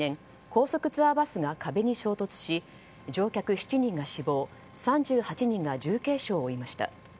高速ツアーバスが壁に衝突し乗客７人が死亡３８人が重軽傷を負いました。